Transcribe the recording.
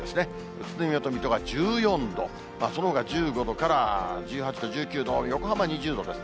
宇都宮と水戸が１４度、そのほか１５度から１８度、１９度、横浜２０度です。